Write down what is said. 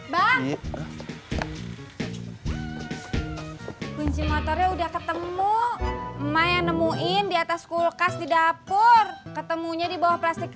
hai bang kunci motornya udah ketemu maya nemuin di atas kulkas di dapur ketemunya di bawah plastik